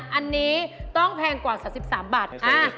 อันนี้ต้องแพงกว่า๓๓บาท